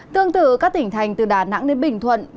tương tự các tỉnh thành từ đà nẵng đến bình thuận